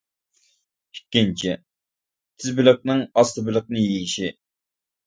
ئىككىنچى، «تېز بېلىقنىڭ ئاستا بېلىقنى يېيىشى» .